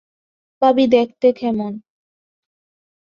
ভাবী দেখতে কেমন?